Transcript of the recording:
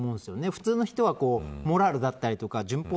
普通の人はモラルだったり順法